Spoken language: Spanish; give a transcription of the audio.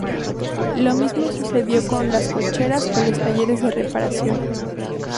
Lo mismo sucedió con las cocheras o los talleres de reparación.